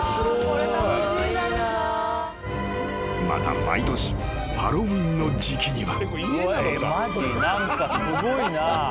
［また毎年ハロウィーンの時季には］